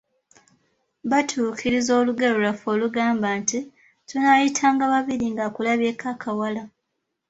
Batuukiriza olugero lwaffe olugamba nti, “Tunaayitanga babiri ng'akulabyeko akawala.”